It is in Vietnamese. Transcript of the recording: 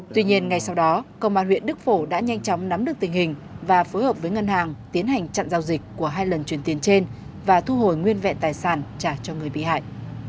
tuy nhiên ngay sau đó công an huyện đức phổ đã nhanh chóng nắm được tình hình và phối hợp với ngân hàng tiến hành chặn giao dịch của hai lần chuyển tiền trên và thu hồi nguyên vẹn tài sản trả cho người bị hại